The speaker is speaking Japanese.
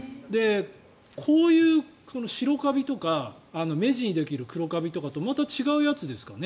こういう白カビとか黒カビとかまた違うやつですかね？